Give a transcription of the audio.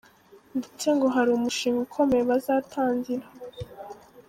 Ndetse ngo hari umushinga ukomeye bazatangira.